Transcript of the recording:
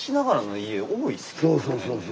そうそうそうそう。